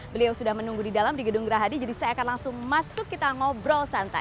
beliau sudah menunggu di dalam di gedung gerahadi jadi saya akan langsung masuk kita ngobrol santai